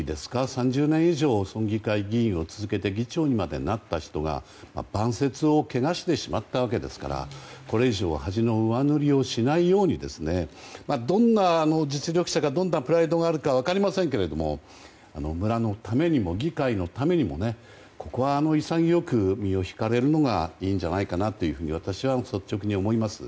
３０年以上村議会議員を続けて議長にまでなった人が、晩節を汚してしまったわけですからこれ以上恥の上塗りをしないようにどんな実力者なのかどんなプライドがあるか分かりませんけれども村のためにも、議会のためにもねここは、潔く身を引かれるのがいいんじゃないかなと私は率直に思います。